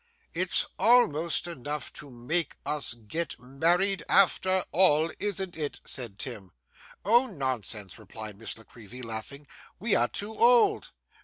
'It's almost enough to make us get married after all, isn't it?' said Tim. 'Oh, nonsense!' replied Miss La Creevy, laughing. 'We are too old.